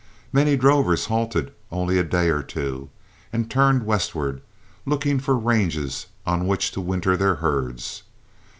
Many drovers halted only a day or two, and turned westward looking for ranges on which to winter their herds.